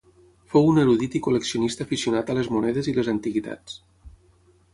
Fou un erudit i col·leccionista aficionat a les monedes i les antiguitats.